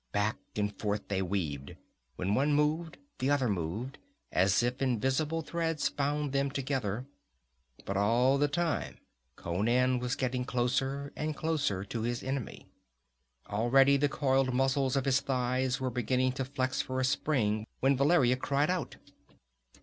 Back and forth they weaved, and when one moved the other moved as if invisible threads bound them together. But all the time Conan was getting closer and closer to his enemy. Already the coiled muscles of his thighs were beginning to flex for a spring, when Valeria cried out.